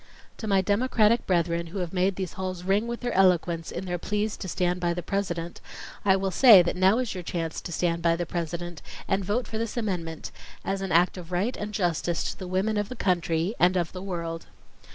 ... To my Democratic brethren who have made these halls ring with their eloquence in their pleas to stand by the President, I will say that now is your chance to stand by the President and vote for this amendment, "as' an act of right and justice to the women of the country and of the world"